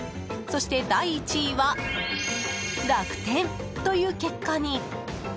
そして、第１位は楽天という結果に。